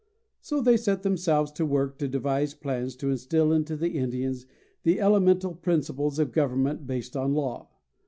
So they set themselves to work to devise plans to instill into the Indians the elemental principles of government based on law.